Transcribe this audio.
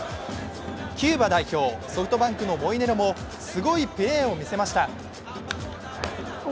キューバ代表、ソフトバンクのモイネロもすごいプレーを見せました。